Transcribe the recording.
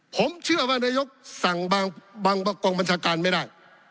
ผมเชื่อว่านายกสั่งบางกองบัญชาการไม่ได้